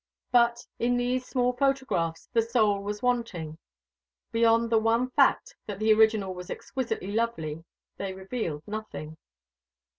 But, in these small photographs, the soul was wanting. Beyond the one fact, that the original was exquisitely lovely, they revealed nothing.